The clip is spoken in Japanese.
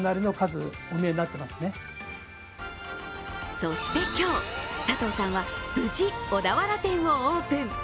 そして今日、佐藤さんは無事、小田原店をオープン。